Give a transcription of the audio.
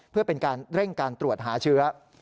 เพื่อเป็นการเร่งการตรวจหาเชื้อ